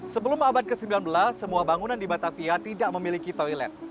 sebelum abad ke sembilan belas semua bangunan di batavia tidak memiliki toilet